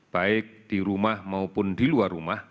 baik di rumah maupun di luar rumah